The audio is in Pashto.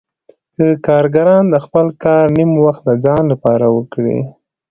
که کارګران د خپل کار نیم وخت د ځان لپاره وکړي